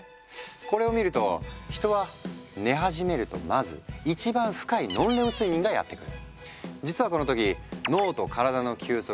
これを見ると人は寝始めるとまず一番深いノンレム睡眠がやって来る。